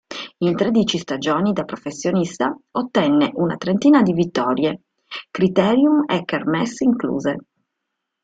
In tredici stagioni da professionista ottenne una trentina di vittorie, criterium e kermesse incluse.